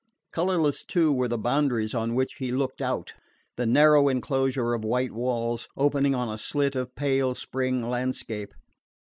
Colourless too were the boundaries on which he looked out: the narrow enclosure of white walls, opening on a slit of pale spring landscape.